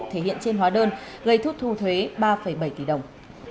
thể hiện trên hóa đơn gây thuốc thu thuế ba bảy tỷ đồng